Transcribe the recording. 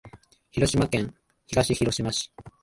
広島県東広島市